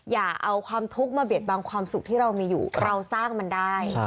อย่าเอาความทุกข์มาเบียดบังความสุขที่เรามีอยู่เราสร้างมันได้